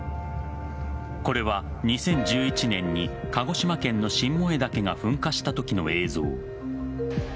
これは２０１１年に鹿児島県の新燃岳が噴火したときの映像。